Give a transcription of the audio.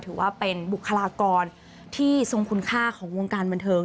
ถือว่าเป็นบุคลากรที่ทรงคุณค่าของวงการบันเทิง